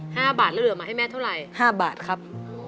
ห้าบาทแล้วเหลือมาให้แม่เท่าไหร่ห้าบาทครับ